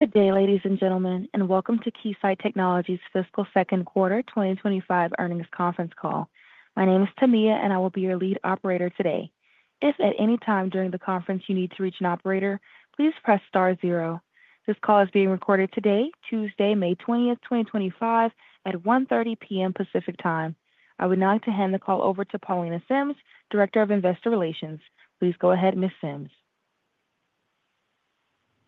Good day, ladies and gentlemen, and welcome to Keysight Technologies' Fiscal Second Quarter 2025 Earnings conference call. My name is Tamia, and I will be your lead operator today. If at any time during the conference you need to reach an operator, please press star zero. This call is being recorded today, Tuesday, May 20, 2025, at 1:30 P.M. Pacific Time. I would now like to hand the call over to Paulenier Sims, Director of Investor Relations. Please go ahead, Ms. Sims.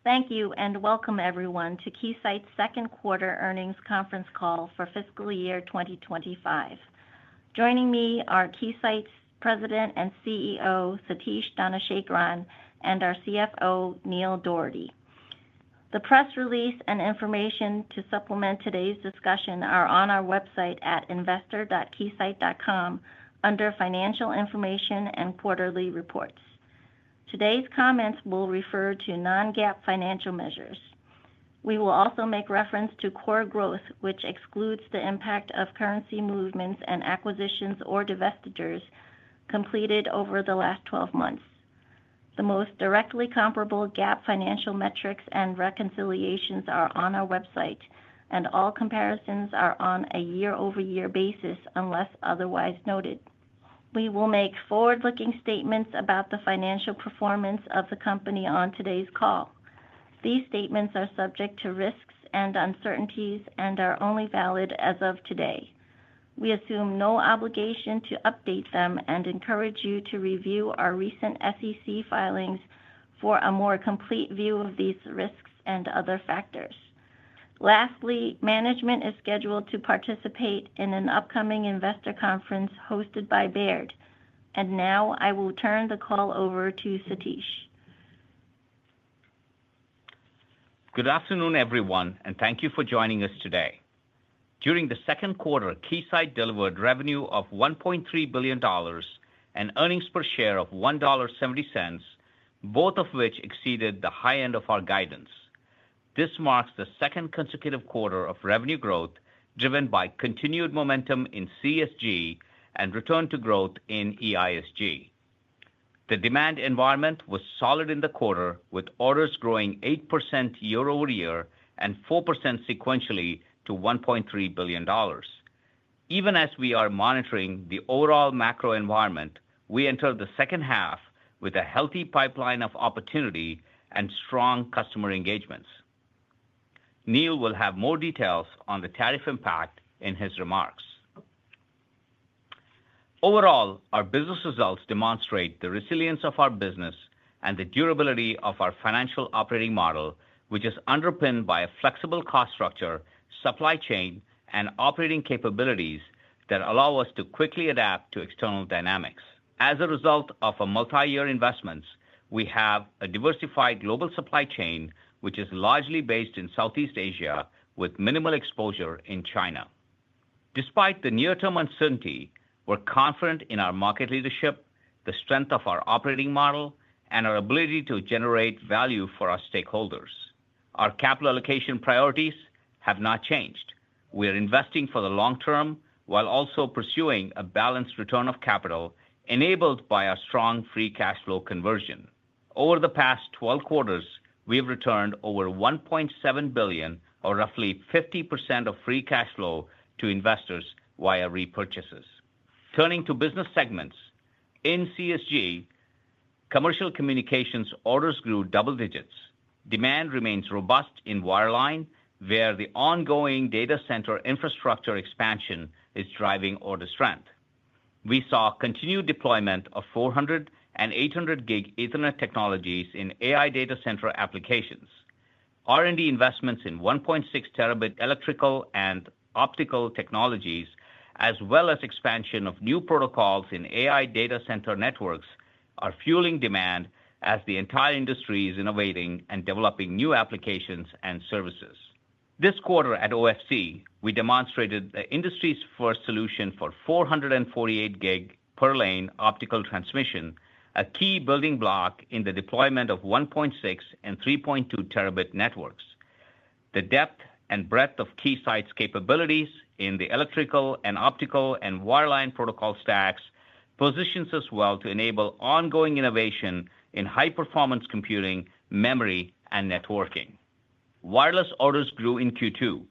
Thank you, and welcome everyone to Keysight's second quarter earnings conference call for fiscal year 2025. Joining me are Keysight's President and CEO, Satish Dhanasekaran, and our CFO, Neil Dougherty. The press release and information to supplement today's discussion are on our website at investor.keysight.com under Financial Information and Quarterly Reports. Today's comments will refer to non-GAAP financial measures. We will also make reference to core growth, which excludes the impact of currency movements and acquisitions or divestitures completed over the last 12 months. The most directly comparable GAAP financial metrics and reconciliations are on our website, and all comparisons are on a year-over-year basis unless otherwise noted. We will make forward-looking statements about the financial performance of the company on today's call. These statements are subject to risks and uncertainties and are only valid as of today. We assume no obligation to update them and encourage you to review our recent SEC filings for a more complete view of these risks and other factors. Lastly, management is scheduled to participate in an upcoming investor conference hosted by Baird. I will now turn the call over to Satish. Good afternoon, everyone, and thank you for joining us today. During the second quarter, Keysight delivered revenue of $1.3 billion and earnings per share of $1.70, both of which exceeded the high end of our guidance. This marks the second consecutive quarter of revenue growth driven by continued momentum in CSG and return to growth in EISG. The demand environment was solid in the quarter, with orders growing 8% year-over-year and 4% sequentially to $1.3 billion. Even as we are monitoring the overall macro environment, we enter the second half with a healthy pipeline of opportunity and strong customer engagements. Neil will have more details on the tariff impact in his remarks. Overall, our business results demonstrate the resilience of our business and the durability of our financial operating model, which is underpinned by a flexible cost structure, supply chain, and operating capabilities that allow us to quickly adapt to external dynamics. As a result of our multi-year investments, we have a diversified global supply chain, which is largely based in Southeast Asia with minimal exposure in China. Despite the near-term uncertainty, we're confident in our market leadership, the strength of our operating model, and our ability to generate value for our stakeholders. Our capital allocation priorities have not changed. We are investing for the long term while also pursuing a balanced return of capital enabled by our strong free cash flow conversion. Over the past 12 quarters, we have returned over $1.7 billion, or roughly 50% of free cash flow, to investors via repurchases. Turning to business segments, in CSG, commercial communications orders grew double digits. Demand remains robust in wireline, where the ongoing data center infrastructure expansion is driving order strength. We saw continued deployment of 400 and 800 Gb Ethernet technologies in AI data center applications. R&D investments in 1.6 Tb electrical and optical technologies, as well as expansion of new protocols in AI data center networks, are fueling demand as the entire industry is innovating and developing new applications and services. This quarter at OFC, we demonstrated the industry's first solution for 448 Gb per lane optical transmission, a key building block in the deployment of 1.6 and 3.2 Tb networks. The depth and breadth of Keysight's capabilities in the electrical and optical and wireline protocol stacks positions us well to enable ongoing innovation in high-performance computing, memory, and networking. Wireless orders grew in Q2.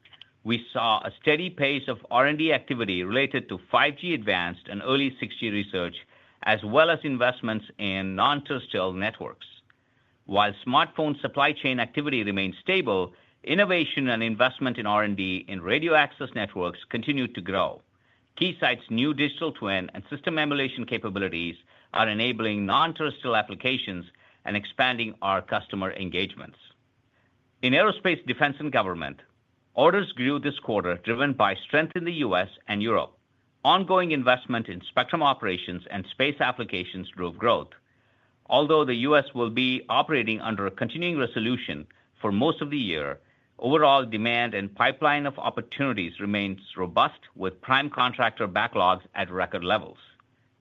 We saw a steady pace of R&D activity related to 5G advanced and early 6G research, as well as investments in non-terrestrial networks. While smartphone supply chain activity remained stable, innovation and investment in R&D in radio access networks continued to grow. Keysight's new digital twin and system emulation capabilities are enabling non-terrestrial applications and expanding our customer engagements. In aerospace, defense, and government, orders grew this quarter driven by strength in the U.S. and Europe. Ongoing investment in spectrum operations and space applications drove growth. Although the U.S. will be operating under a continuing resolution for most of the year, overall demand and pipeline of opportunities remains robust, with prime contractor backlogs at record levels.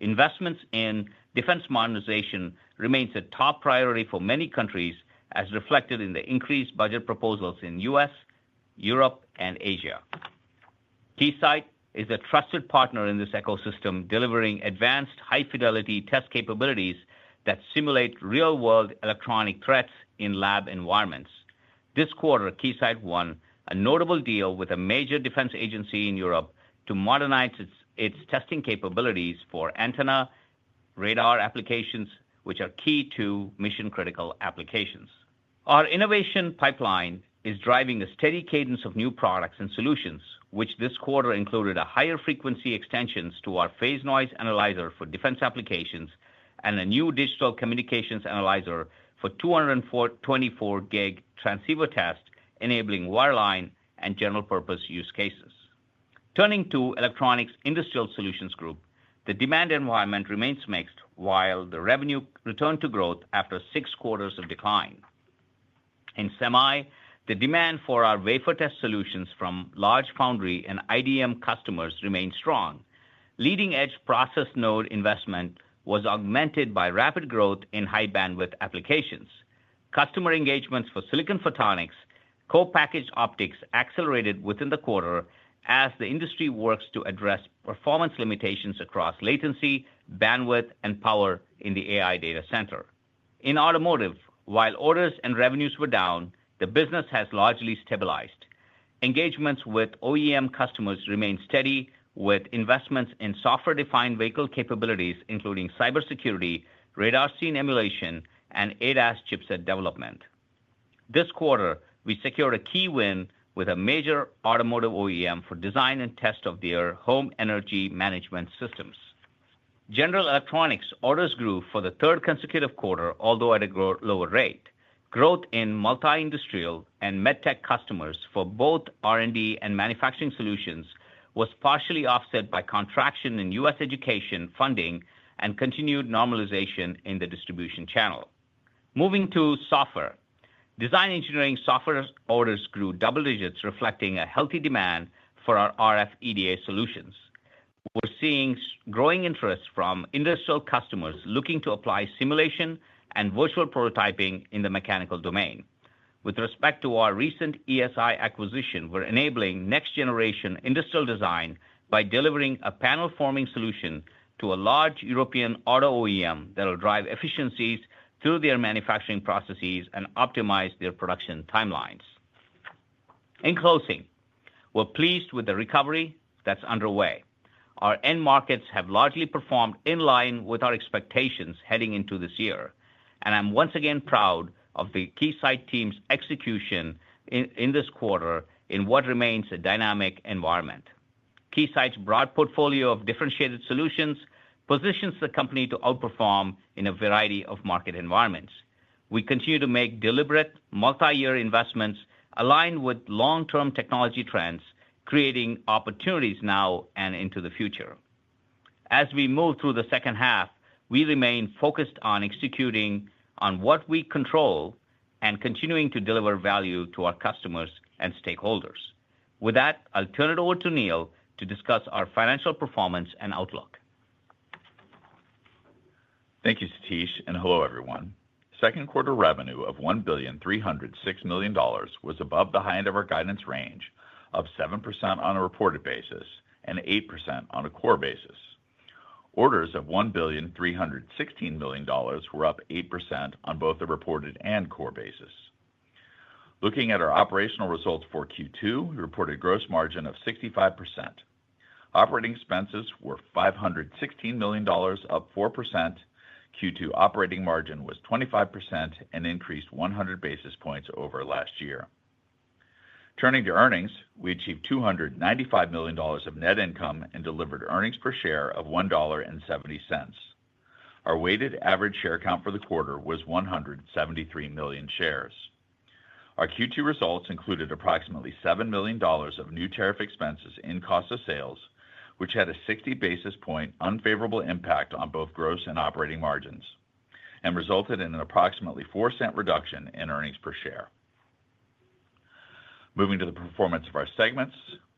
Investments in defense modernization remain a top priority for many countries, as reflected in the increased budget proposals in the U.S., Europe, and Asia. Keysight is a trusted partner in this ecosystem, delivering advanced high-fidelity test capabilities that simulate real-world electronic threats in lab environments. This quarter, Keysight won a notable deal with a major defense agency in Europe to modernize its testing capabilities for antenna radar applications, which are key to mission-critical applications. Our innovation pipeline is driving a steady cadence of new products and solutions, which this quarter included higher frequency extensions to our phase noise analyzer for defense applications and a new digital communications analyzer for 224 Gb transceiver tests, enabling wireline and general-purpose use cases. Turning to Electronics Industrial Solutions Group, the demand environment remains mixed while the revenue returned to growth after six quarters of decline. In semi, the demand for our wafer test solutions from large foundry and IDM customers remained strong. Leading-edge process node investment was augmented by rapid growth in high-bandwidth applications. Customer engagements for silicon photonics co-packaged optics accelerated within the quarter as the industry works to address performance limitations across latency, bandwidth, and power in the AI data center. In automotive, while orders and revenues were down, the business has largely stabilized. Engagements with OEM customers remain steady, with investments in software-defined vehicle capabilities, including cybersecurity, radar scene emulation, and ADAS chipset development. This quarter, we secured a key win with a major automotive OEM for design and test of their home energy management systems. General Electronics orders grew for the third consecutive quarter, although at a lower rate. Growth in multi-industrial and medtech customers for both R&D and manufacturing solutions was partially offset by contraction in U.S. education funding and continued normalization in the distribution channel. Moving to software, design engineering software orders grew double digits, reflecting a healthy demand for our RF EDA solutions. We're seeing growing interest from industrial customers looking to apply simulation and virtual prototyping in the mechanical domain. With respect to our recent ESI acquisition, we're enabling next-generation industrial design by delivering a panel forming solution to a large European auto OEM that will drive efficiencies through their manufacturing processes and optimize their production timelines. In closing, we're pleased with the recovery that's underway. Our end markets have largely performed in line with our expectations heading into this year, and I'm once again proud of the Keysight team's execution in this quarter in what remains a dynamic environment. Keysight's broad portfolio of differentiated solutions positions the company to outperform in a variety of market environments. We continue to make deliberate multi-year investments aligned with long-term technology trends, creating opportunities now and into the future. As we move through the second half, we remain focused on executing on what we control and continuing to deliver value to our customers and stakeholders. With that, I'll turn it over to Neil to discuss our financial performance and outlook. Thank you, Satish, and hello, everyone. Second quarter revenue of $1,306 million was above the high end of our guidance range at 7% on a reported basis and 8% on a core basis. Orders of $1,316 million were up 8% on both the reported and core basis. Looking at our operational results for Q2, we reported a gross margin of 65%. Operating expenses were $516 million, up 4%. Q2 operating margin was 25% and increased 100 basis points over last year. Turning to earnings, we achieved $295 million of net income and delivered earnings per share of $1.70. Our weighted average share count for the quarter was 173 million shares. Our Q2 results included approximately $7 million of new tariff expenses in cost of sales, which had a 60 basis point unfavorable impact on both gross and operating margins and resulted in an approximately 4-cent reduction in earnings per share. Moving to the performance of our segments,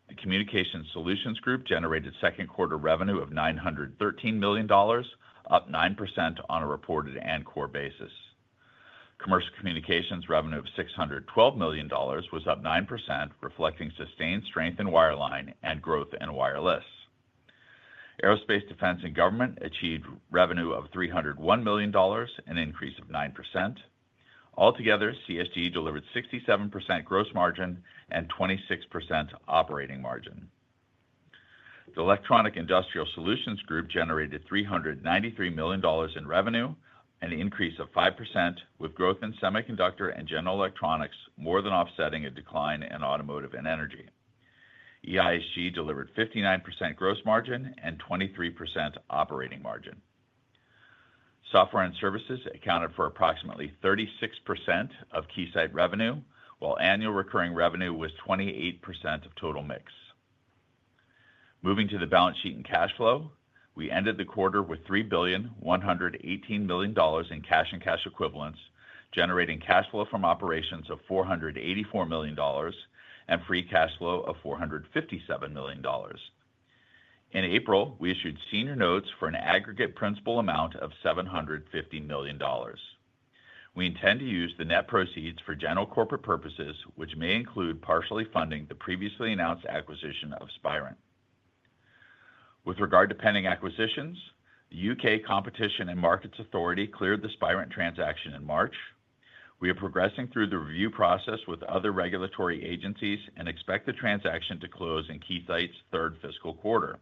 the Communications Solutions Group generated second quarter revenue of $913 million, up 9% on a reported and core basis. Commercial communications revenue of $612 million was up 9%, reflecting sustained strength in wireline and growth in wireless. Aerospace, defense, and government achieved revenue of $301 million, an increase of 9%. Altogether, CSG delivered 67% gross margin and 26% operating margin. The Electronic Industrial Solutions Group generated $393 million in revenue, an increase of 5%, with growth in semiconductor and general electronics more than offsetting a decline in automotive and energy. EISG delivered 59% gross margin and 23% operating margin. Software and services accounted for approximately 36% of Keysight revenue, while annual recurring revenue was 28% of total mix. Moving to the balance sheet and cash flow, we ended the quarter with $3,118 million in cash and cash equivalents, generating cash flow from operations of $484 million and free cash flow of $457 million. In April, we issued senior notes for an aggregate principal amount of $750 million. We intend to use the net proceeds for general corporate purposes, which may include partially funding the previously announced acquisition of Spirent. With regard to pending acquisitions, the U.K. Competition and Markets Authority cleared the Spirent transaction in March. We are progressing through the review process with other regulatory agencies and expect the transaction to close in Keysight's third fiscal quarter.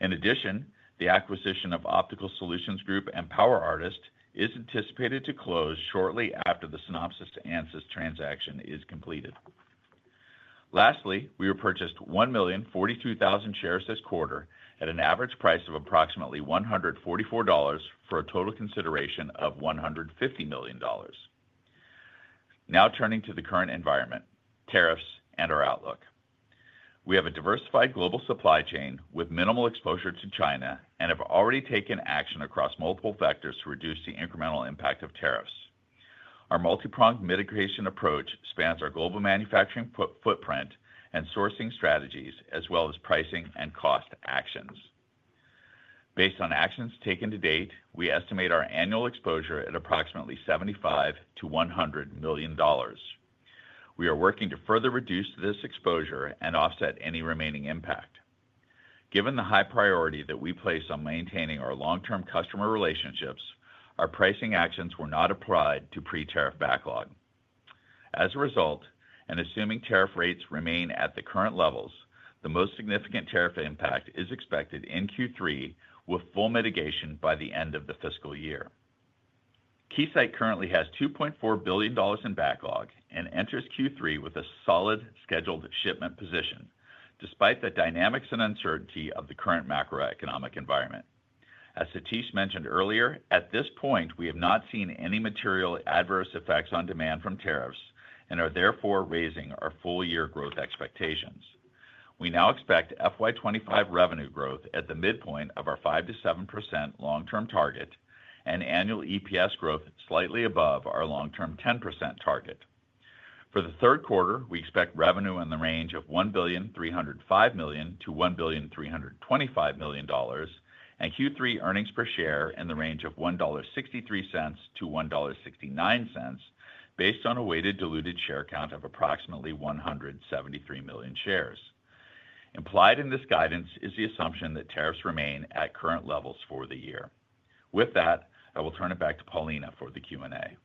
In addition, the acquisition of Optical Solutions Group and Power Artist is anticipated to close shortly after the Synopsys Ansys transaction is completed. Lastly, we repurchased 1,042,000 shares this quarter at an average price of approximately $144 for a total consideration of $150 million. Now turning to the current environment, tariffs and our outlook. We have a diversified global supply chain with minimal exposure to China and have already taken action across multiple vectors to reduce the incremental impact of tariffs. Our multi-pronged mitigation approach spans our global manufacturing footprint and sourcing strategies, as well as pricing and cost actions. Based on actions taken to date, we estimate our annual exposure at approximately $75-$100 million. We are working to further reduce this exposure and offset any remaining impact. Given the high priority that we place on maintaining our long-term customer relationships, our pricing actions were not applied to pre-tariff backlog. As a result, and assuming tariff rates remain at the current levels, the most significant tariff impact is expected in Q3 with full mitigation by the end of the fiscal year. Keysight currently has $2.4 billion in backlog and enters Q3 with a solid scheduled shipment position, despite the dynamics and uncertainty of the current macroeconomic environment. As Satish mentioned earlier, at this point, we have not seen any material adverse effects on demand from tariffs and are therefore raising our full-year growth expectations. We now expect FY25 revenue growth at the midpoint of our 5-7% long-term target and annual EPS growth slightly above our long-term 10% target. For the third quarter, we expect revenue in the range of $1,305 million-$1,325 million and Q3 earnings per share in the range of $1.63-$1.69 based on a weighted diluted share count of approximately 173 million shares. Implied in this guidance is the assumption that tariffs remain at current levels for the year. With that, I will turn it back to Paulenier for the Q&A.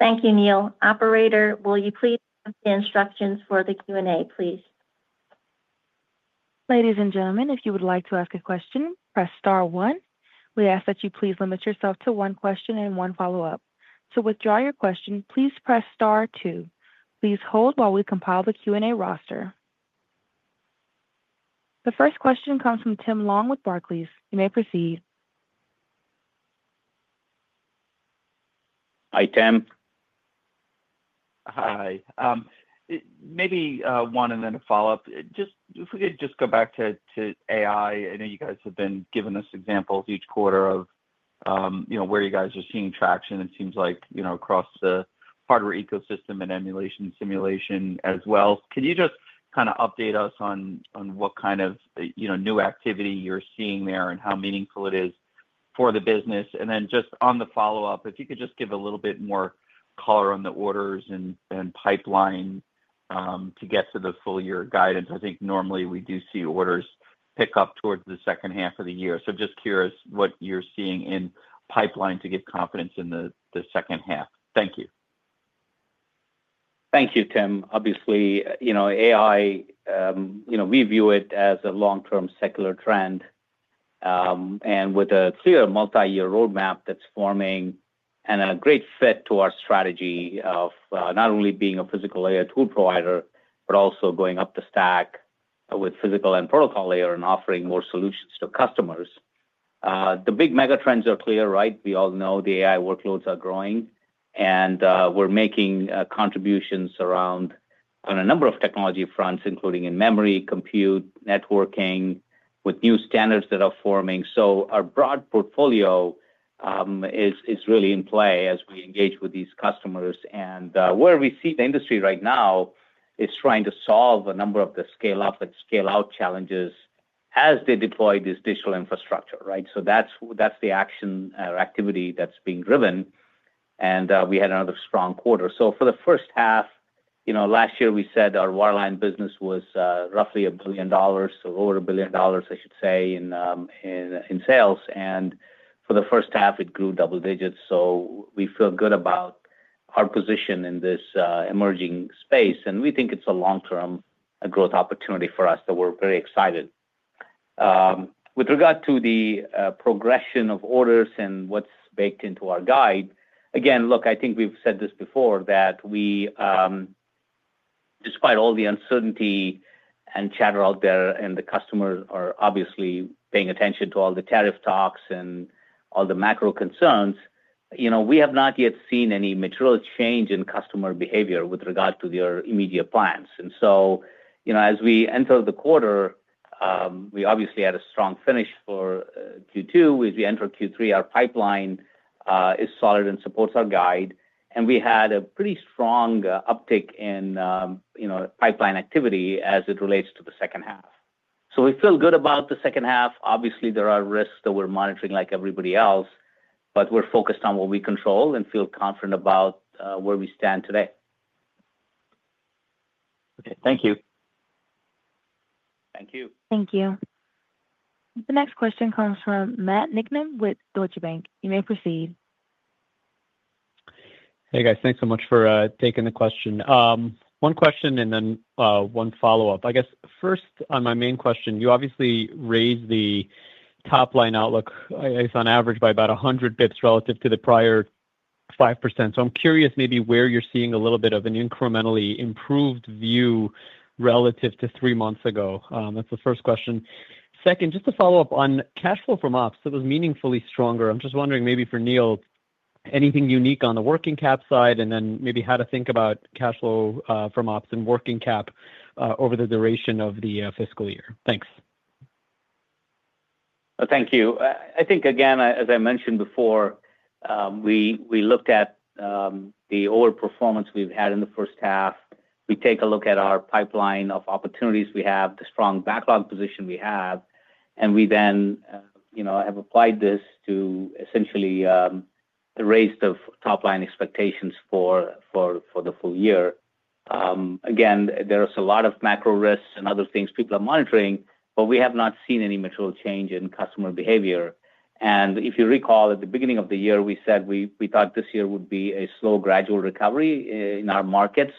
Thank you, Neil. Operator, will you please give the instructions for the Q&A, please? Ladies and gentlemen, if you would like to ask a question, press star one. We ask that you please limit yourself to one question and one follow-up. To withdraw your question, please press star two. Please hold while we compile the Q&A roster. The first question comes from Tim Long with Barclays. You may proceed. Hi, Tim. Hi. Maybe one and then a follow-up. If we could just go back to AI, I know you guys have been giving us examples each quarter of where you guys are seeing traction. It seems like across the hardware ecosystem and emulation simulation as well. Could you just kind of update us on what kind of new activity you're seeing there and how meaningful it is for the business? On the follow-up, if you could just give a little bit more color on the orders and pipeline to get to the full-year guidance. I think normally we do see orders pick up towards the second half of the year. Just curious what you're seeing in pipeline to give confidence in the second half. Thank you. Thank you, Tim. Obviously, AI, we view it as a long-term secular trend. With a clear multi-year roadmap that's forming and a great fit to our strategy of not only being a physical layer tool provider, but also going up the stack with physical and protocol layer and offering more solutions to customers. The big mega trends are clear, right? We all know the AI workloads are growing, and we're making contributions around a number of technology fronts, including in memory, compute, networking, with new standards that are forming. Our broad portfolio is really in play as we engage with these customers. Where we see the industry right now is trying to solve a number of the scale-up and scale-out challenges as they deploy this digital infrastructure, right? That's the action or activity that's being driven. We had another strong quarter. For the first half, last year, we said our wireline business was roughly $1 billion, so over $1 billion, I should say, in sales. For the first half, it grew double digits. We feel good about our position in this emerging space. We think it's a long-term growth opportunity for us that we're very excited. With regard to the progression of orders and what's baked into our guide, again, look, I think we've said this before, that despite all the uncertainty and chatter out there and the customers are obviously paying attention to all the tariff talks and all the macro concerns, we have not yet seen any material change in customer behavior with regard to their immediate plans. As we enter the quarter, we obviously had a strong finish for Q2. As we enter Q3, our pipeline is solid and supports our guide. We had a pretty strong uptick in pipeline activity as it relates to the second half. We feel good about the second half. Obviously, there are risks that we're monitoring like everybody else, but we're focused on what we control and feel confident about where we stand today. Okay. Thank you. Thank you. Thank you. The next question comes from Matt Nicholson with Deutsche Bank. You may proceed. Hey, guys. Thanks so much for taking the question. One question and then one follow-up. I guess first on my main question, you obviously raised the top line outlook, I guess, on average by about 100 basis points relative to the prior 5%. So I'm curious maybe where you're seeing a little bit of an incrementally improved view relative to three months ago. That's the first question. Second, just to follow up on cash flow from ops, it was meaningfully stronger. I'm just wondering maybe for Neil, anything unique on the working cap side and then maybe how to think about cash flow from ops and working cap over the duration of the fiscal year. Thanks. Thank you. I think, again, as I mentioned before, we looked at the overall performance we've had in the first half. We take a look at our pipeline of opportunities we have, the strong backlog position we have, and we then have applied this to essentially the raised top line expectations for the full year. Again, there are a lot of macro risks and other things people are monitoring, but we have not seen any material change in customer behavior. If you recall, at the beginning of the year, we said we thought this year would be a slow, gradual recovery in our markets.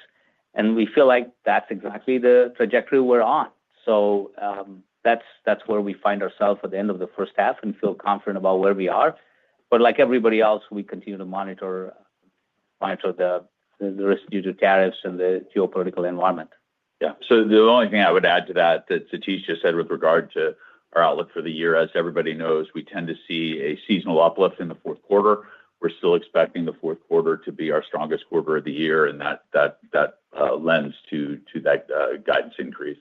We feel like that's exactly the trajectory we're on. That's where we find ourselves at the end of the first half and feel confident about where we are. Like everybody else, we continue to monitor the risks due to tariffs and the geopolitical environment. Yeah. The only thing I would add to that that Satish just said with regard to our outlook for the year, as everybody knows, we tend to see a seasonal uplift in the fourth quarter. We are still expecting the fourth quarter to be our strongest quarter of the year, and that lends to that guidance increase.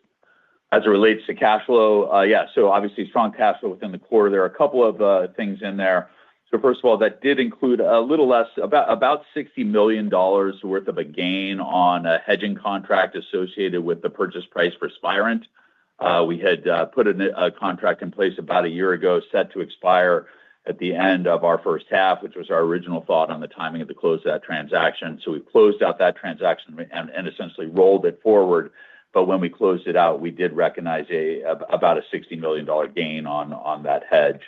As it relates to cash flow, yeah. Obviously, strong cash flow within the quarter. There are a couple of things in there. First of all, that did include a little less, about $60 million worth of a gain on a hedging contract associated with the purchase price for Spirent. We had put a contract in place about a year ago, set to expire at the end of our first half, which was our original thought on the timing of the close of that transaction. We closed out that transaction and essentially rolled it forward. When we closed it out, we did recognize about a $60 million gain on that hedge.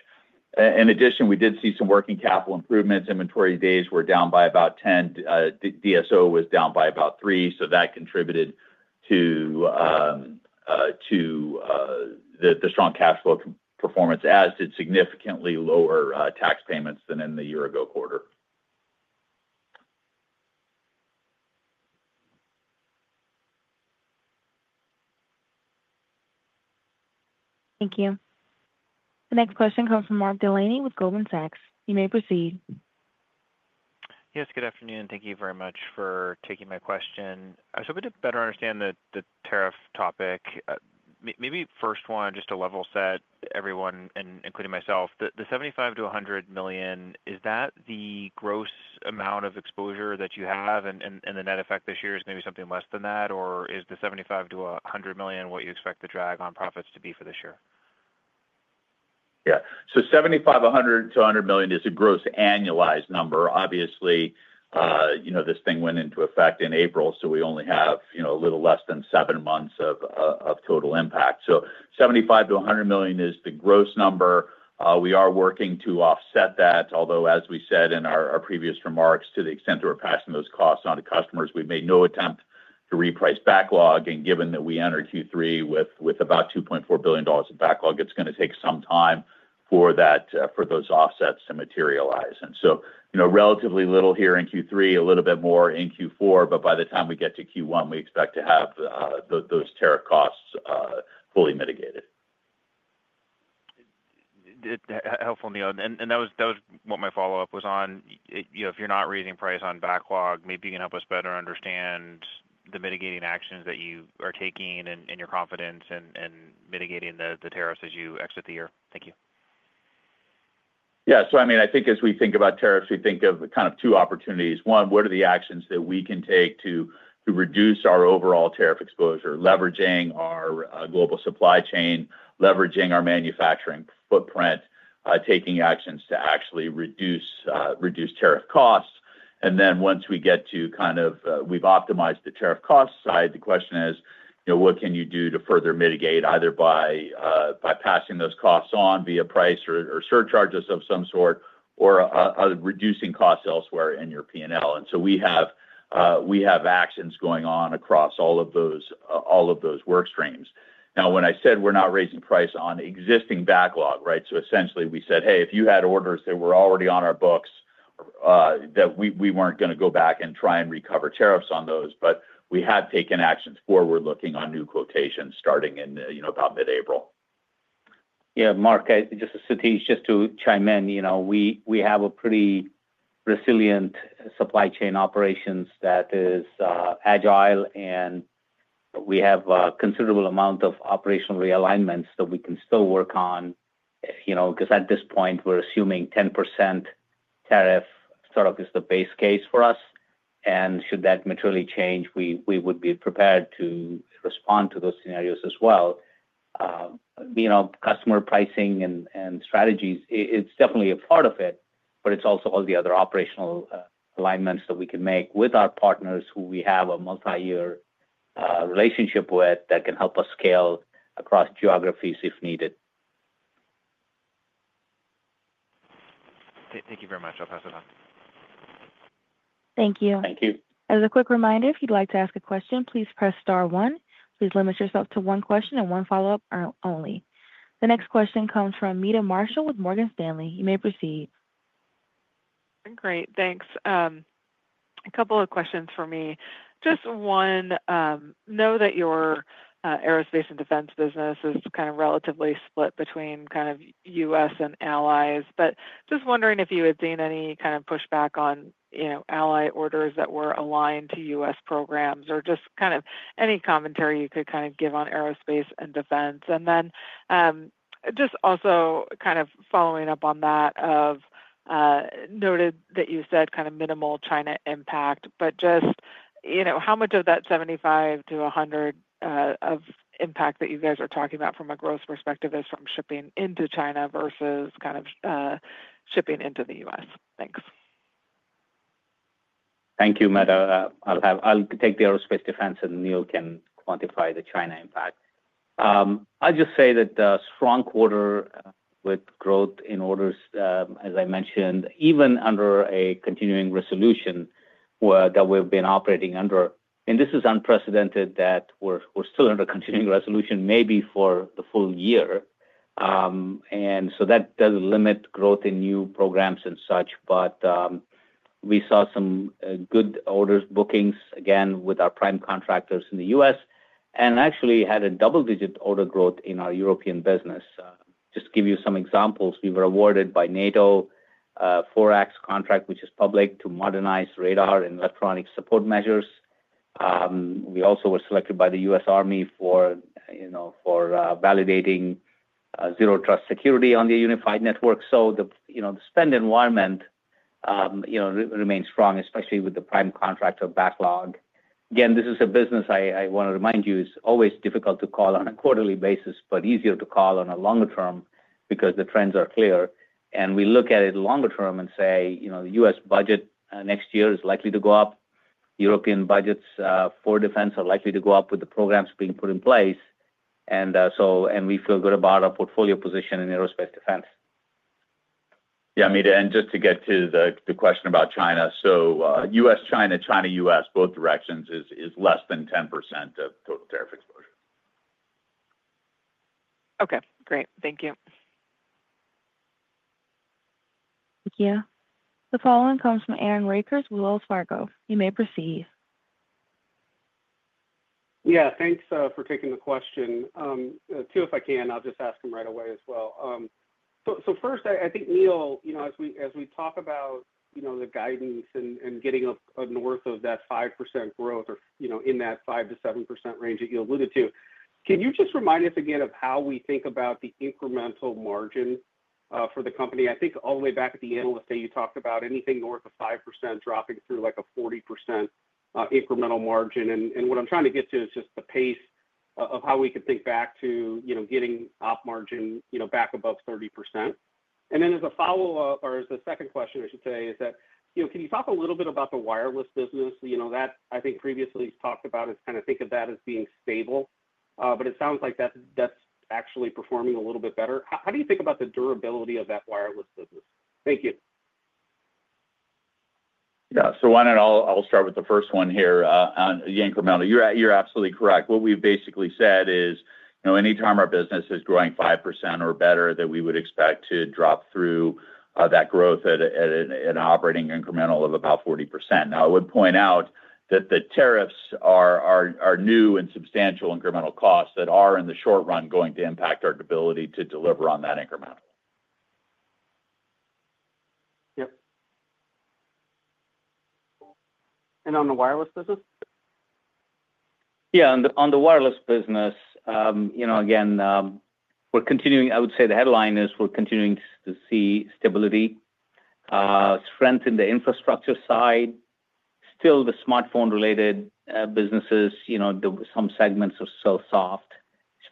In addition, we did see some working capital improvements. Inventory days were down by about 10. DSO was down by about 3. That contributed to the strong cash flow performance, as did significantly lower tax payments than in the year-ago quarter. Thank you. The next question comes from Mark Delaney with Goldman Sachs. You may proceed. Yes. Good afternoon. Thank you very much for taking my question. A bit to better understand the tariff topic, maybe first one, just to level set everyone, including myself, the $75 million-$100 million, is that the gross amount of exposure that you have? The net effect this year is maybe something less than that, or is the $75 million-$100 million what you expect the drag on profits to be for this year? Yeah. $75 million-$100 million is a gross annualized number. Obviously, this thing went into effect in April, so we only have a little less than seven months of total impact. $75 million-$100 million is the gross number. We are working to offset that, although, as we said in our previous remarks, to the extent that we're passing those costs on to customers, we've made no attempt to reprice backlog. Given that we entered Q3 with about $2.4 billion of backlog, it's going to take some time for those offsets to materialize. Relatively little here in Q3, a little bit more in Q4, but by the time we get to Q1, we expect to have those tariff costs fully mitigated. Helpful, Neil. That was what my follow-up was on. If you're not raising price on backlog, maybe you can help us better understand the mitigating actions that you are taking and your confidence in mitigating the tariffs as you exit the year. Thank you. Yeah. I mean, I think as we think about tariffs, we think of kind of two opportunities. One, what are the actions that we can take to reduce our overall tariff exposure, leveraging our global supply chain, leveraging our manufacturing footprint, taking actions to actually reduce tariff costs? Once we get to kind of we've optimized the tariff cost side, the question is, what can you do to further mitigate either by passing those costs on via price or surcharges of some sort, or reducing costs elsewhere in your P&L? We have actions going on across all of those work streams. Now, when I said we're not raising price on existing backlog, right? Essentially, we said, "Hey, if you had orders that were already on our books, we weren't going to go back and try and recover tariffs on those." We have taken actions forward looking on new quotations starting in about mid-April. Yeah. Mark, just to chime in, we have a pretty resilient supply chain operations that is agile, and we have a considerable amount of operational realignments that we can still work on. Because at this point, we're assuming 10% tariff sort of is the base case for us. Should that materially change, we would be prepared to respond to those scenarios as well. Customer pricing and strategies, it's definitely a part of it, but it's also all the other operational alignments that we can make with our partners who we have a multi-year relationship with that can help us scale across geographies if needed. Thank you very much. I'll pass it on. Thank you. Thank you. As a quick reminder, if you'd like to ask a question, please press star one. Please limit yourself to one question and one follow-up only. The next question comes from Meta Marshall with Morgan Stanley. You may proceed. Great. Thanks. A couple of questions for me. Just one, know that your aerospace and defense business is kind of relatively split between kind of U.S. and allies. Just wondering if you had seen any kind of pushback on ally orders that were aligned to U.S. programs or just any commentary you could kind of give on aerospace and defense. Also, just following up on that, noted that you said kind of minimal China impact, but just how much of that $75-$100 of impact that you guys are talking about from a gross perspective is from shipping into China versus shipping into the U.S.? Thanks. Thank you, Meta. I'll take the aerospace defense, and Neil can quantify the China impact. I'll just say that the strong quarter with growth in orders, as I mentioned, even under a continuing resolution that we've been operating under. This is unprecedented that we're still under continuing resolution maybe for the full year. That doesn't limit growth in new programs and such, but we saw some good orders bookings again with our prime contractors in the U.S. and actually had a double-digit order growth in our European business. Just to give you some examples, we were awarded by NATO a FORAX contract, which is public, to modernize radar and electronic support measures. We also were selected by the U.S. Army for validating zero-trust security on the unified network. The spend environment remains strong, especially with the prime contractor backlog. Again, this is a business I want to remind you is always difficult to call on a quarterly basis, but easier to call on a longer term because the trends are clear. We look at it longer term and say the U.S. budget next year is likely to go up. European budgets for defense are likely to go up with the programs being put in place. We feel good about our portfolio position in aerospace defense. Yeah, Meta. And just to get to the question about China, U.S.-China, China-U.S., both directions is less than 10% of total tariff exposure. Okay. Great. Thank you. Thank you. The following comes from Aaron Rakers, Wells Fargo. You may proceed. Yeah. Thanks for taking the question. Two, if I can, I'll just ask them right away as well. First, I think, Neil, as we talk about the guidance and getting up north of that 5% growth or in that 5-7% range that you alluded to, can you just remind us again of how we think about the incremental margin for the company? I think all the way back at the analyst day, you talked about anything north of 5% dropping through like a 40% incremental margin. What I'm trying to get to is just the pace of how we could think back to getting op margin back above 30%. Then as a follow-up, or as the second question, I should say, is that can you talk a little bit about the wireless business? That, I think, previously was talked about as kind of think of that as being stable, but it sounds like that's actually performing a little bit better. How do you think about the durability of that wireless business? Thank you. Yeah. One, and I'll start with the first one here on the incremental. You're absolutely correct. What we've basically said is anytime our business is growing 5% or better, that we would expect to drop through that growth at an operating incremental of about 40%. Now, I would point out that the tariffs are new and substantial incremental costs that are, in the short run, going to impact our ability to deliver on that incremental. Yep. On the wireless business? Yeah. On the wireless business, again, we're continuing, I would say the headline is we're continuing to see stability, strength in the infrastructure side. Still, the smartphone-related businesses, some segments are still soft,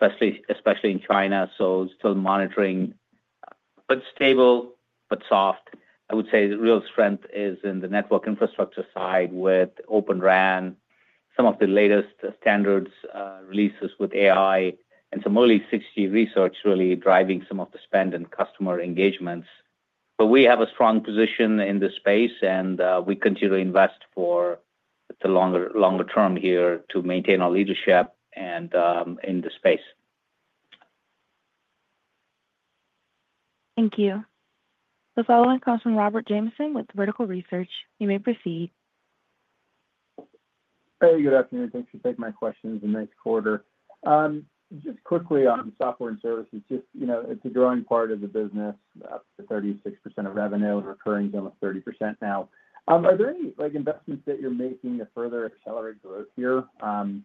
especially in China. Still monitoring, but stable, but soft. I would say the real strength is in the network infrastructure side with Open RAN, some of the latest standards releases with AI, and some early 6G research really driving some of the spend and customer engagements. We have a strong position in this space, and we continue to invest for the longer term here to maintain our leadership in the space. Thank you. The following comes from Robert Jamieson with Vertical Research. You may proceed. Hey, good afternoon. Thanks for taking my questions in this quarter. Just quickly on software and services, just it's a growing part of the business, up to 36% of revenue and recurring almost 30% now. Are there any investments that you're making to further accelerate growth here,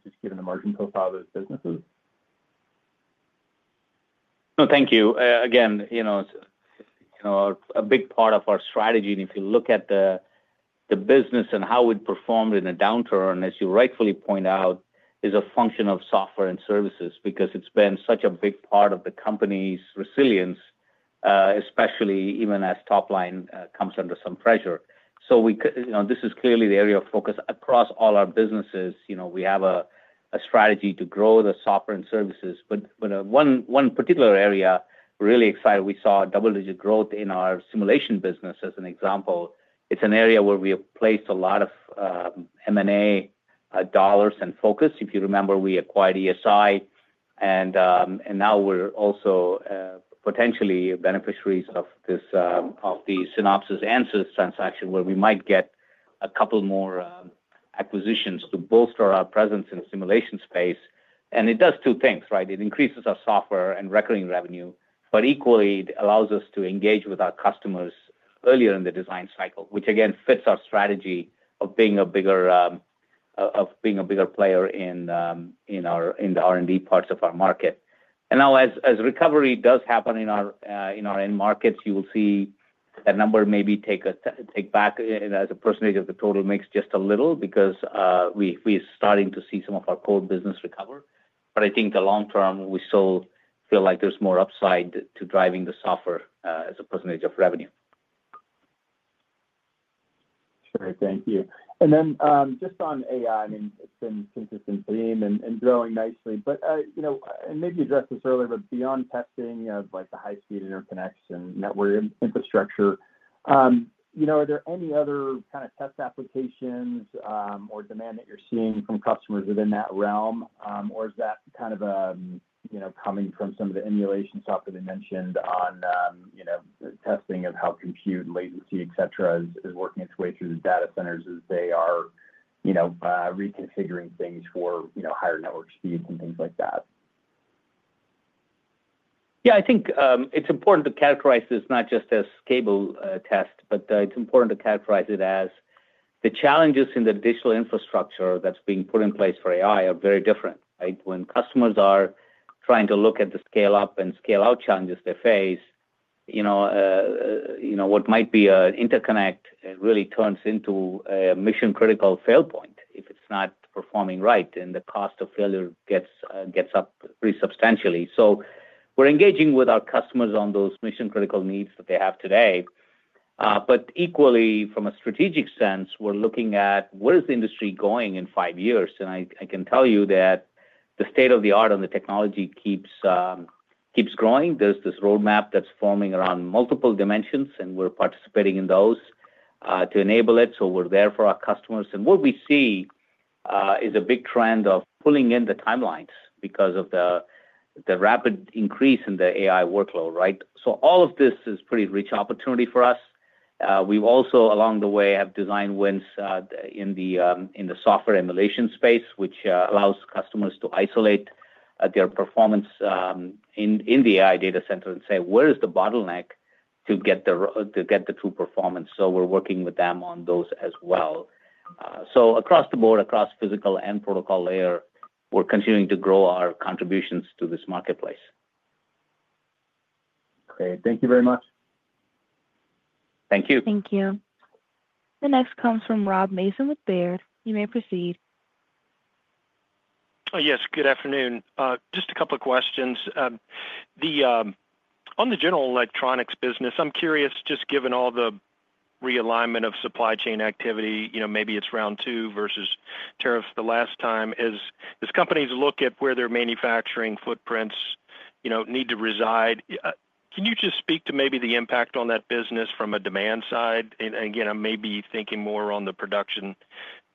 just given the margin profile of those businesses? No, thank you. Again, a big part of our strategy, and if you look at the business and how we performed in a downturn, as you rightfully point out, is a function of software and services because it has been such a big part of the company's resilience, especially even as top line comes under some pressure. This is clearly the area of focus across all our businesses. We have a strategy to grow the software and services. One particular area we are really excited about, we saw double-digit growth in our simulation business as an example. It is an area where we have placed a lot of M&A dollars and focus. If you remember, we acquired ESI, and now we are also potentially beneficiaries of the Synopsys Ansys transaction where we might get a couple more acquisitions to bolster our presence in the simulation space. It does two things, right? It increases our software and recurring revenue, but equally, it allows us to engage with our customers earlier in the design cycle, which again fits our strategy of being a bigger player in the R&D parts of our market. As recovery does happen in our end markets, you will see that number maybe take back as a percentage of the total mix just a little because we are starting to see some of our core business recover. I think the long term, we still feel like there's more upside to driving the software as a percentage of revenue. Sure. Thank you. And then just on AI, I mean, it's been a consistent theme and growing nicely. But I maybe addressed this earlier, but beyond testing of the high-speed interconnection network infrastructure, are there any other kind of test applications or demand that you're seeing from customers within that realm? Or is that kind of coming from some of the emulation software they mentioned on testing of how compute and latency, etc., is working its way through the data centers as they are reconfiguring things for higher network speeds and things like that? Yeah. I think it's important to characterize this not just as cable test, but it's important to characterize it as the challenges in the digital infrastructure that's being put in place for AI are very different, right? When customers are trying to look at the scale-up and scale-out challenges they face, what might be an interconnect really turns into a mission-critical fail point if it's not performing right, and the cost of failure gets up pretty substantially. We are engaging with our customers on those mission-critical needs that they have today. Equally, from a strategic sense, we're looking at where is the industry going in five years? I can tell you that the state of the art on the technology keeps growing. There's this roadmap that's forming around multiple dimensions, and we're participating in those to enable it. We are there for our customers. What we see is a big trend of pulling in the timelines because of the rapid increase in the AI workload, right? All of this is a pretty rich opportunity for us. We've also, along the way, have design wins in the software emulation space, which allows customers to isolate their performance in the AI data center and say, "Where is the bottleneck to get the true performance?" We're working with them on those as well. Across the board, across physical and protocol layer, we're continuing to grow our contributions to this marketplace. Great. Thank you very much. Thank you. Thank you. The next comes from Rob Mason with Baird. You may proceed. Yes. Good afternoon. Just a couple of questions. On the general electronics business, I'm curious, just given all the realignment of supply chain activity, maybe it's round two versus tariffs the last time, as companies look at where their manufacturing footprints need to reside, can you just speak to maybe the impact on that business from a demand side? Again, I'm maybe thinking more on the production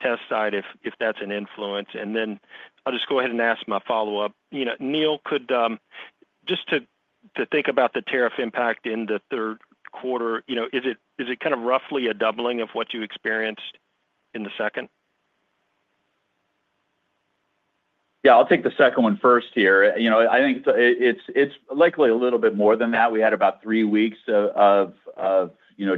test side if that's an influence. I'll just go ahead and ask my follow-up. Neil, just to think about the tariff impact in the third quarter, is it kind of roughly a doubling of what you experienced in the second? Yeah. I'll take the second one first here. I think it's likely a little bit more than that. We had about three weeks of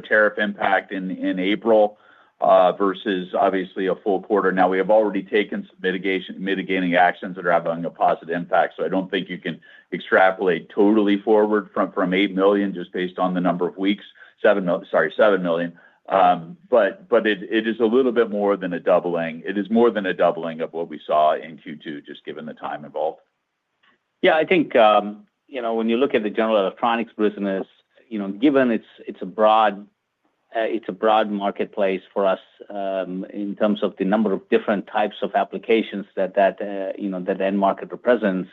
tariff impact in April versus obviously a full quarter. Now, we have already taken some mitigating actions that are having a positive impact. I don't think you can extrapolate totally forward from $8 million just based on the number of weeks, sorry, $7 million. It is a little bit more than a doubling. It is more than a doubling of what we saw in Q2, just given the time involved. Yeah. I think when you look at the general electronics business, given it's a broad marketplace for us in terms of the number of different types of applications that that end market represents,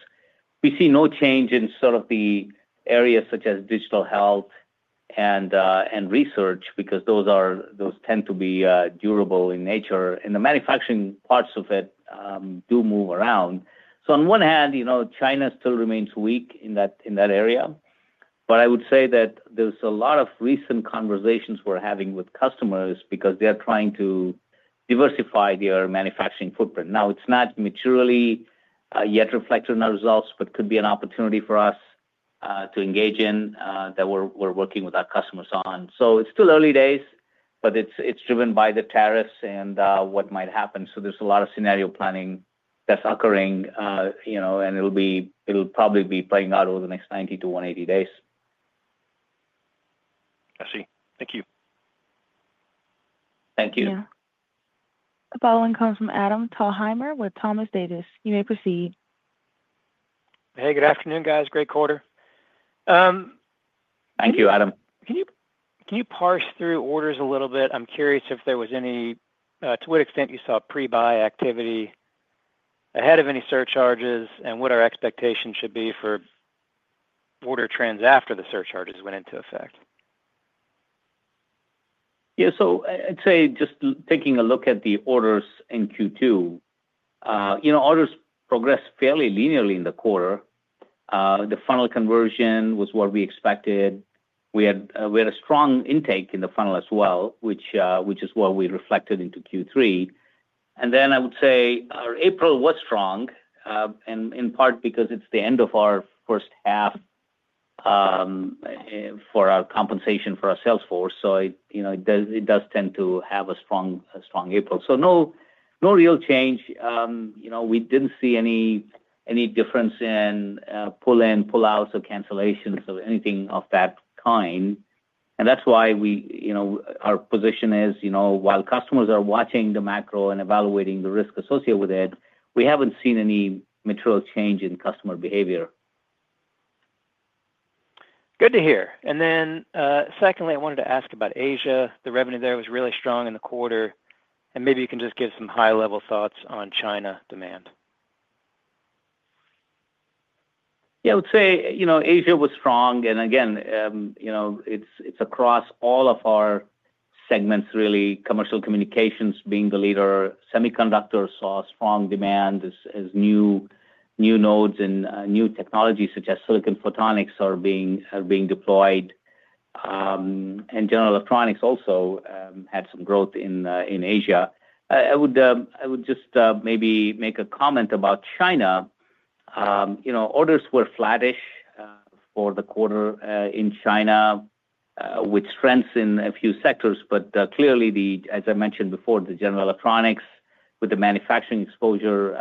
we see no change in sort of the areas such as digital health and research because those tend to be durable in nature. The manufacturing parts of it do move around. On one hand, China still remains weak in that area. I would say that there's a lot of recent conversations we're having with customers because they're trying to diversify their manufacturing footprint. Now, it's not materially yet reflected in our results, but could be an opportunity for us to engage in that we're working with our customers on. It's still early days, but it's driven by the tariffs and what might happen. There's a lot of scenario planning that's occurring, and it'll probably be playing out over the next 90-180 days. I see. Thank you. Thank you. Thank you. The following comes from Adam Thalhimer with Thompson Davis. You may proceed. Hey, good afternoon, guys. Great quarter. Thank you, Adam. Can you parse through orders a little bit? I'm curious if there was any, to what extent you saw pre-buy activity ahead of any surcharges, and what our expectation should be for order trends after the surcharges went into effect? Yeah. I'd say just taking a look at the orders in Q2, orders progressed fairly linearly in the quarter. The funnel conversion was what we expected. We had a strong intake in the funnel as well, which is what we reflected into Q3. I would say our April was strong, in part because it's the end of our first half for our compensation for our Salesforce. It does tend to have a strong April. No real change. We didn't see any difference in pull-in, pull-outs, or cancellations of anything of that kind. That's why our position is, while customers are watching the macro and evaluating the risk associated with it, we haven't seen any material change in customer behavior. Good to hear. Secondly, I wanted to ask about Asia. The revenue there was really strong in the quarter. Maybe you can just give some high-level thoughts on China demand. Yeah. I would say Asia was strong. Again, it is across all of our segments, really. Commercial communications being the leader, semiconductors saw strong demand as new nodes and new technologies such as silicon photonics are being deployed. General electronics also had some growth in Asia. I would just maybe make a comment about China. Orders were flattish for the quarter in China, with strengths in a few sectors. Clearly, as I mentioned before, the general electronics with the manufacturing exposure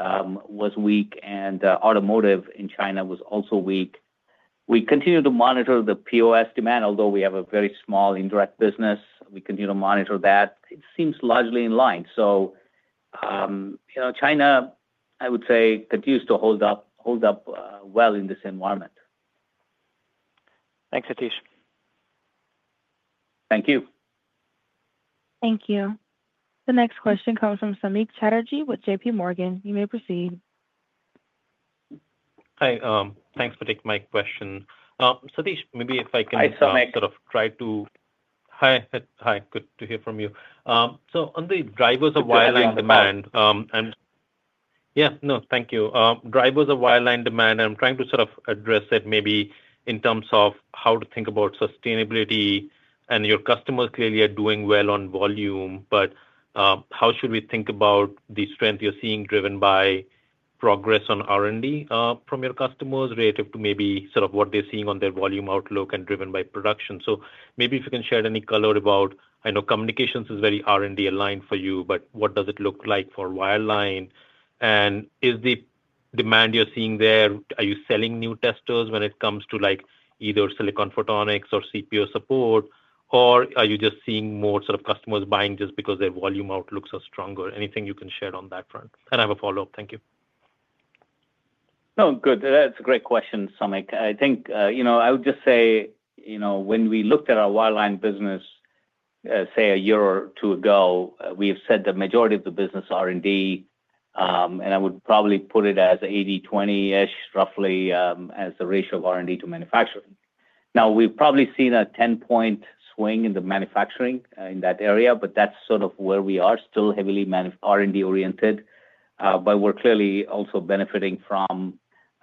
was weak, and automotive in China was also weak. We continue to monitor the POS demand, although we have a very small indirect business. We continue to monitor that. It seems largely in line. China, I would say, continues to hold up well in this environment. Thanks, Satish. Thank you. Thank you. The next question comes from Samik Chatterjee with J.P. Morgan. You may proceed. Hi. Thanks for taking my question. Satish, maybe if I can sort of try to. Hi, Samik. Hi. Good to hear from you. On the drivers of wireline demand. Hi, Samik. Yeah. No, thank you. Drivers of wireline demand. I'm trying to sort of address it maybe in terms of how to think about sustainability. And your customers clearly are doing well on volume, but how should we think about the strength you're seeing driven by progress on R&D from your customers relative to maybe sort of what they're seeing on their volume outlook and driven by production? So maybe if you can share any color about, I know communications is very R&D aligned for you, but what does it look like for wireline? And is the demand you're seeing there, are you selling new testers when it comes to either silicon photonics or CPU support, or are you just seeing more sort of customers buying just because their volume outlook is stronger? Anything you can share on that front? And I have a follow-up. Thank you. No, good. That's a great question, Samik. I think I would just say when we looked at our wireline business, say, a year or two ago, we have said the majority of the business R&D, and I would probably put it as 80/20-ish, roughly, as the ratio of R&D to manufacturing. Now, we've probably seen a 10-point swing in the manufacturing in that area, but that's sort of where we are, still heavily R&D-oriented. We are clearly also benefiting from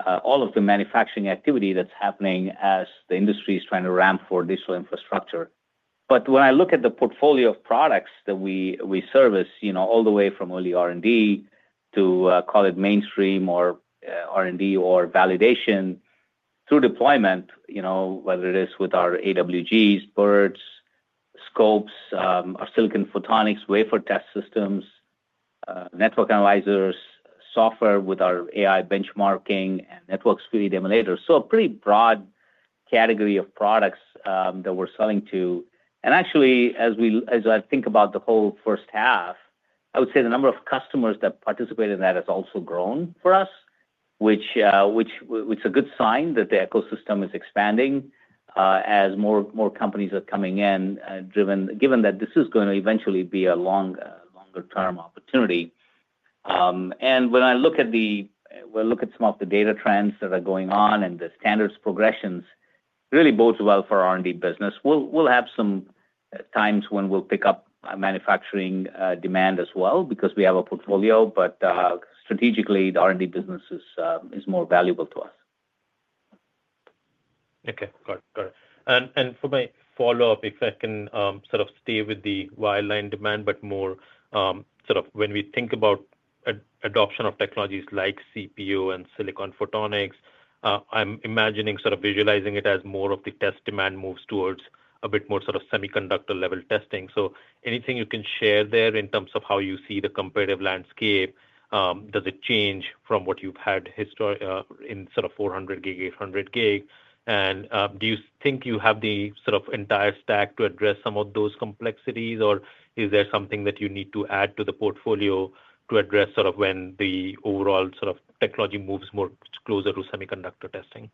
all of the manufacturing activity that's happening as the industry is trying to ramp for digital infrastructure. When I look at the portfolio of products that we service, all the way from early R&D to, call it mainstream or R&D or validation through deployment, whether it is with our AWGs, BERTs, scopes, our silicon photonics, wafer test systems, network analyzers, software with our AI benchmarking, and network-speed emulators. A pretty broad category of products that we're selling to. Actually, as I think about the whole first half, I would say the number of customers that participate in that has also grown for us, which is a good sign that the ecosystem is expanding as more companies are coming in, given that this is going to eventually be a longer-term opportunity. When I look at some of the data trends that are going on and the standards progressions, it really bodes well for our R&D business. We'll have some times when we'll pick up manufacturing demand as well because we have a portfolio, but strategically, the R&D business is more valuable to us. Okay. Got it. For my follow-up, if I can sort of stay with the wireline demand, but more sort of when we think about adoption of technologies like CPU and silicon photonics, I'm imagining sort of visualizing it as more of the test demand moves towards a bit more sort of semiconductor-level testing. Anything you can share there in terms of how you see the competitive landscape? Does it change from what you've had in sort of 400 Gb, 800 Gb? Do you think you have the sort of entire stack to address some of those complexities, or is there something that you need to add to the portfolio to address sort of when the overall sort of technology moves more closer to semiconductor testing?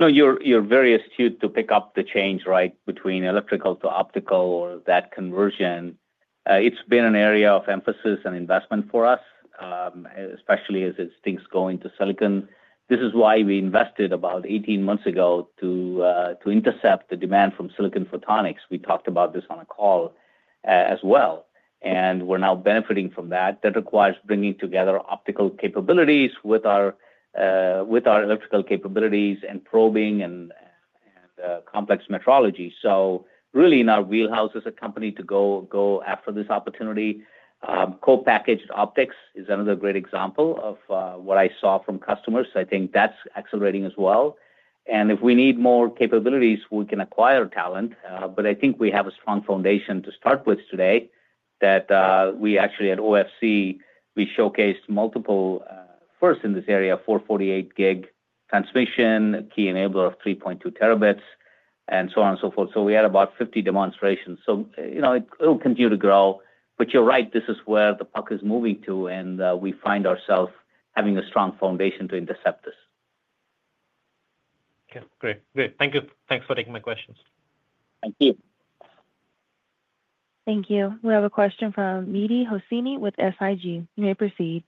No, you're very astute to pick up the change, right, between electrical to optical or that conversion. It's been an area of emphasis and investment for us, especially as things go into silicon. This is why we invested about 18 months ago to intercept the demand from silicon photonics. We talked about this on a call as well. We're now benefiting from that. That requires bringing together optical capabilities with our electrical capabilities and probing and complex metrology. Really, in our wheelhouse as a company to go after this opportunity, co-packaged optics is another great example of what I saw from customers. I think that's accelerating as well. If we need more capabilities, we can acquire talent. I think we have a strong foundation to start with today that we actually at OFC, we showcased multiple, first in this area, 448 Gb transmission, key enabler of 3.2 Tb, and so on and so forth. We had about 50 demonstrations. It will continue to grow. You're right, this is where the puck is moving to, and we find ourselves having a strong foundation to intercept this. Okay. Great. Thank you. Thanks for taking my questions. Thank you. Thank you. We have a question from Mehdi Hosseini with SIG. You may proceed.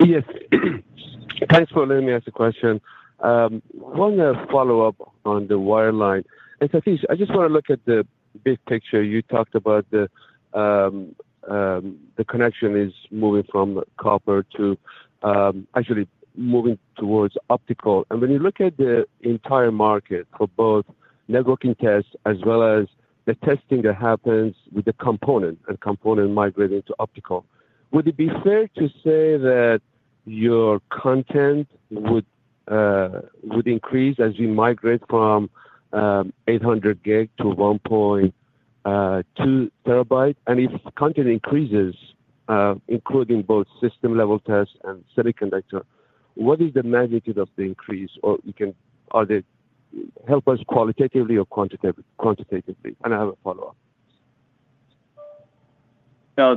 Yes. Thanks for letting me ask the question. I want to follow up on the wireline. Satish, I just want to look at the big picture. You talked about the connection is moving from copper to actually moving towards optical. When you look at the entire market for both networking tests as well as the testing that happens with the component and component migrating to optical, would it be fair to say that your content would increase as we migrate from 800 GB to 1.2 TB? If content increases, including both system-level tests and semiconductor, what is the magnitude of the increase? Can you help us qualitatively or quantitatively? I have a follow-up. No,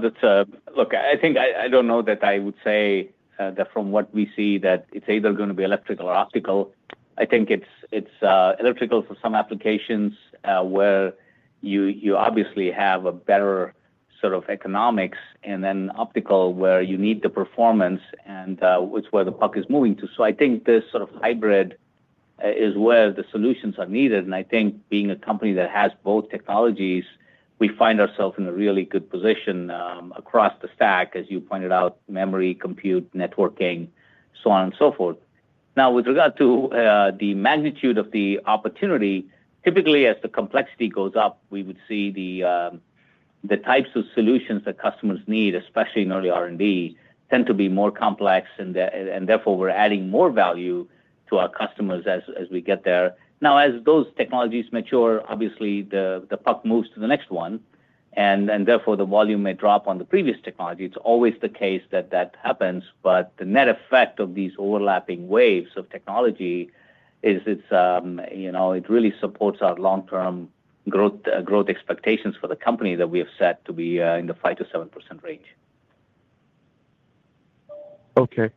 look, I think I don't know that I would say that from what we see that it's either going to be electrical or optical. I think it's electrical for some applications where you obviously have a better sort of economics, and then optical where you need the performance, and it's where the puck is moving to. I think this sort of hybrid is where the solutions are needed. I think being a company that has both technologies, we find ourselves in a really good position across the stack, as you pointed out, memory, compute, networking, so on and so forth. Now, with regard to the magnitude of the opportunity, typically as the complexity goes up, we would see the types of solutions that customers need, especially in early R&D, tend to be more complex, and therefore we're adding more value to our customers as we get there. Now, as those technologies mature, obviously the puck moves to the next one, and therefore the volume may drop on the previous technology. It's always the case that that happens, but the net effect of these overlapping waves of technology is it really supports our long-term growth expectations for the company that we have set to be in the 5-7% range. Okay.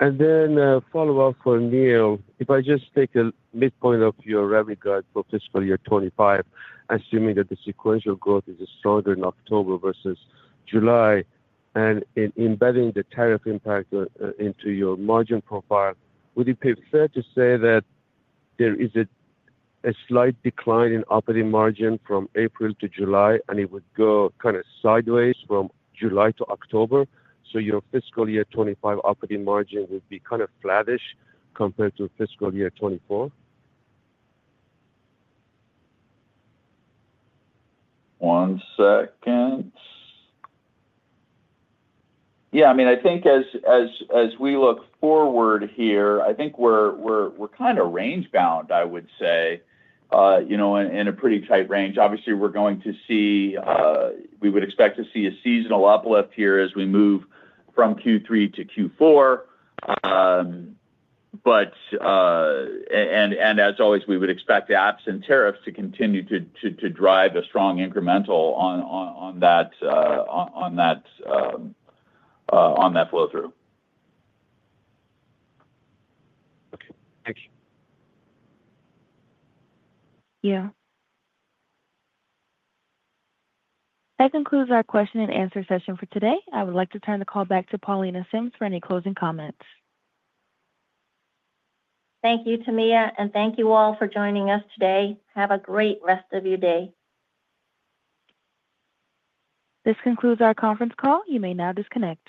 A follow-up for Neil. If I just take a midpoint of your revenue growth for fiscal year 2025, assuming that the sequential growth is stronger in October versus July, and embedding the tariff impact into your margin profile, would it be fair to say that there is a slight decline in operating margin from April to July, and it would go kind of sideways from July to October? Your fiscal year 2025 operating margin would be kind of flattish compared to fiscal year 2024? One second. Yeah. I mean, I think as we look forward here, I think we're kind of range-bound, I would say, in a pretty tight range. Obviously, we're going to see, we would expect to see a seasonal uplift here as we move from Q3 to Q4. As always, we would expect the absent tariffs to continue to drive a strong incremental on that flow-through. Okay. Thank you. Yeah. That concludes our Q&A session for today. I would like to turn the call back to Paulenier Sims for any closing comments. Thank you, Tamiya. Thank you all for joining us today. Have a great rest of your day. This concludes our conference call. You may now disconnect.